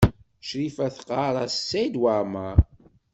Crifa teɣɣar-as Saɛid Waɛmaṛ.